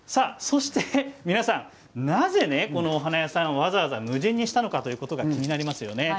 皆さん、なぜこのお花屋さんわざわざ無人にしたのかというの気になりますよね。